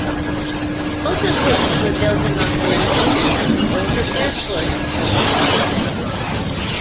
Both of which were built among the remains of the older air force buildings.